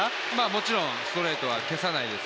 もちろんストレートは消さないです